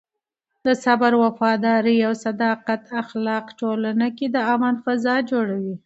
د صبر، وفادارۍ او صداقت اخلاق ټولنه کې د امن فضا جوړوي.